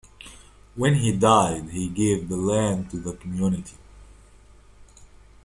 When he died he gave the land to the community.